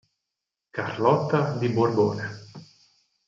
Carlotta di Borbone